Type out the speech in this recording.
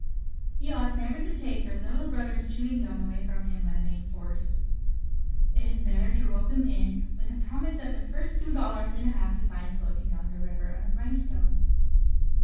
You ought never to take your little brother's "chewing gum" away from him by main force; it is better to rope him in with the promise of the first two dollars and a half you find floating down the river on a grindstone.